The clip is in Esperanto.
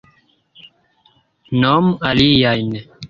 Nomu aliajn!